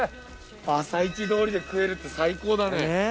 朝市通りで食えるって最高だね。ねぇ。